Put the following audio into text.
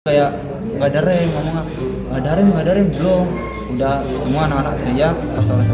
kayak gadare ngomong ada rem rem belum udah semua anak anak dia